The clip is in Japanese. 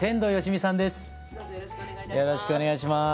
よろしくお願いします。